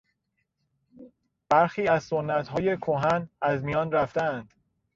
برخی از سنتهای کهن از میان رفتهاند.